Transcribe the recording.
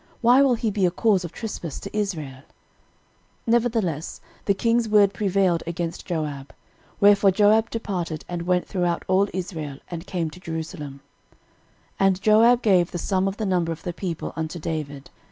why will he be a cause of trespass to Israel? 13:021:004 Nevertheless the king's word prevailed against Joab. Wherefore Joab departed, and went throughout all Israel, and came to Jerusalem. 13:021:005 And Joab gave the sum of the number of the people unto David.